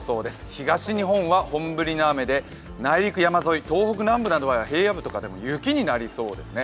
東日本は本降りの雨で内陸・山沿い東方南部などでは平野部とかでは雪になりそうです。